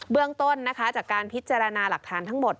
เรื่องต้นนะคะจากการพิจารณาหลักฐานทั้งหมด